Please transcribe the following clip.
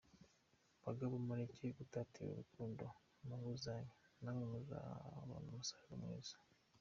Bagabo mureke gutatira urukundo mu ngo zanyu namwe muzabona umusaruro mwiza.